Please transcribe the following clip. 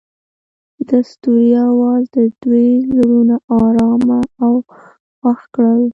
د ستوري اواز د دوی زړونه ارامه او خوښ کړل.